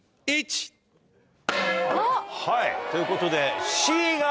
はいということで。